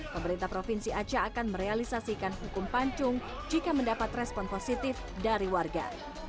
pemerintah provinsi aceh akan merealisasikan hukum pancung jika mendapat respon positif dari warga